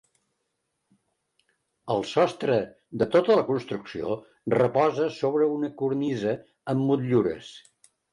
El sostre de tota la construcció reposa sobre una cornisa amb motllures.